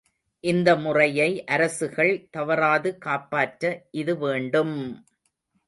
இந்த முறையை அரசுகள் தவறாது காப்பாற்ற இது வேண்டும்!